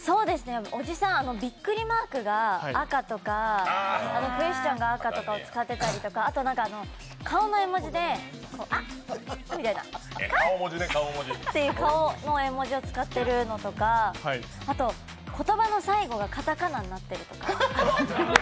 おじさん、びっくりマークが赤とかクエスチョンが赤を使っていたり、あと顔の絵文字で、あっみたいな顔の絵文字を使ってるのとかあと、言葉の最後が片仮名になっているとか。